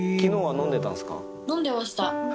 飲んでました。